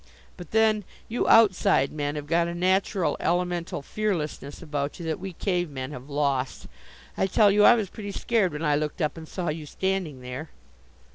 But then you Outside Men have got a natural elemental fearlessness about you that we Cave men have lost. I tell you, I was pretty scared when I looked up and saw you standing there."